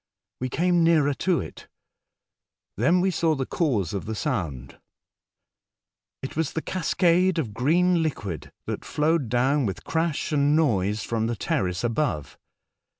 We came nearer to it. Then we saw the cause of the sound ; it was the cascade of green liquid that flowed down with crash and noise from the terrace above.